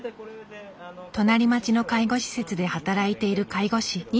隣町の介護施設で働いている介護士。